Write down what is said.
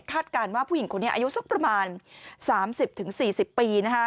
การว่าผู้หญิงคนนี้อายุสักประมาณ๓๐๔๐ปี